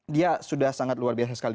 dia sudah sangat luar biasa sekali